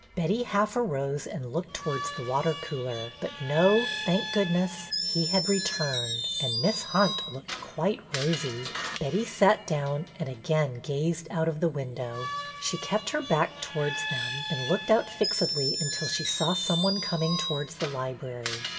Betty half arose and looked towards the water cooler; but no, thank goodness, he had returned, and Miss Hunt looked quite rosy. Betty sat down and again gazed out of the window. She kept her back towards them and looked out fixedly until she saw someone coming towards the library.